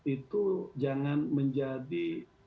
itu jangan menjadi